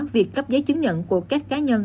việc cấp giấy chứng nhận của các cá nhân